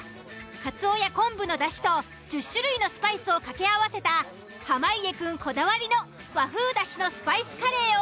カツオや昆布のだしと１０種類のスパイスを掛け合わせた濱家くんこだわりの和風だしのスパイスカレーを。